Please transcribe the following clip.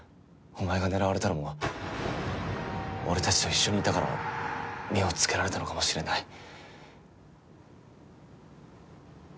お前が狙われたのも俺たちと一緒にいたから目をつけられたのかもしれない。